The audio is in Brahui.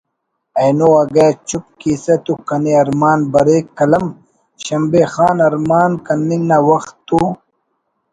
اینو اگہ چپ کیسہ تو کنے ارمان بریک قلم……شمبے خان ارمان کننگ نا وخت تو